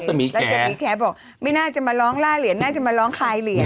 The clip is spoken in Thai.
ราชมีแคบอกไม่น่าจะมาร้องล่าเหรียญน่าจะมาร้องคลายเหรียญ